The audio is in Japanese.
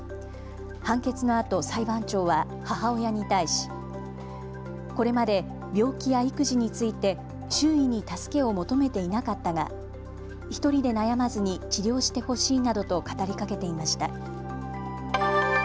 判決のあと裁判長は母親に対しこれまで病気や育児について周囲に助けを求めていなかったが１人で悩まずに治療してほしいなどと語りかけていました。